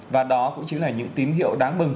và đó cũng chính là những tín hiệu đáng mừng